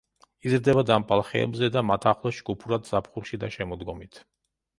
იზრდება დამპალ ხეებზე და მათ ახლოს ჯგუფურად ზაფხულში და შემოდგომით.